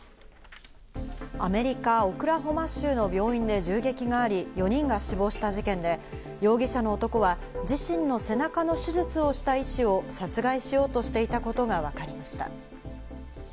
アメリカ、オクラホマ州の病院で銃撃があり、４人が死亡した事件で、容疑者の男は自身の背中の手術をした医師を殺害しようとしていたことがわかりました。